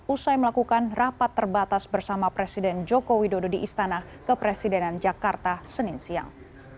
usai melakukan rapat terbatas bersama presiden joko widodo di istana kepresidenan jakarta senin siang